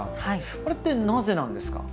あれってなぜなんですか？